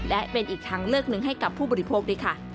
และเป็นอีกทางเลือกหนึ่งให้กับผู้บริโภคด้วยค่ะ